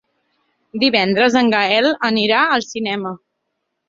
Divendres en Gaël anirà al cinema.